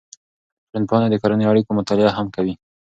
ټولنپوهنه د کورنیو اړیکو مطالعه هم کوي.